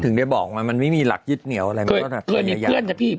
ถึงได้บอกว่ามันไม่มีหลักยิดเหนียวอะไร